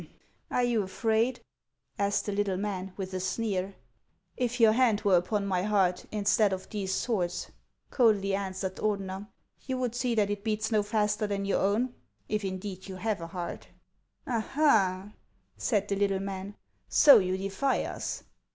" Are you afraid ?" asked the little man, with a sneer. " If your hand were upon my heart, instead of these swords," coldly answered Ordener, "you would see that it beats no faster than your own, if indeed you have a heart." "Ah, ha!" said the little man; "so you defy us!